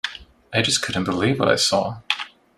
I just couldn't believe what I saw.